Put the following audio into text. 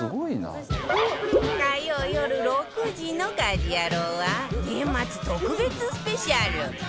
火曜よる６時の『家事ヤロウ！！！』は年末特別スペシャル